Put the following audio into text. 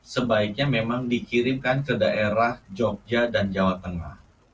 sebaiknya memang dikirimkan ke daerah jogja dan jawa tengah